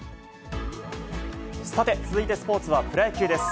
さて、続いてスポーツはプロ野球です。